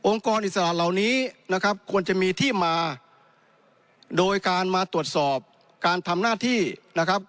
กรอิสระเหล่านี้นะครับควรจะมีที่มาโดยการมาตรวจสอบการทำหน้าที่นะครับ